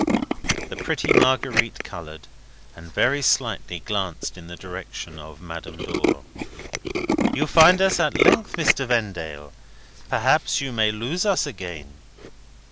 The pretty Marguerite coloured, and very slightly glanced in the direction of Madame Dor. "You find us at length, Mr. Vendale. Perhaps you may lose us again."